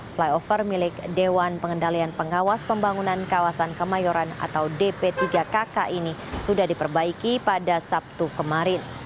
flyover milik dewan pengendalian pengawas pembangunan kawasan kemayoran atau dp tiga kk ini sudah diperbaiki pada sabtu kemarin